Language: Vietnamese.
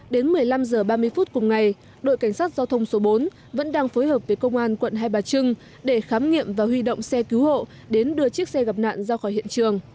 đến một mươi năm h ba mươi phút cùng ngày đội cảnh sát giao thông số bốn vẫn đang phối hợp với công an quận hai bà trưng để khám nghiệm và huy động xe cứu hộ đến đưa chiếc xe gặp nạn ra khỏi hiện trường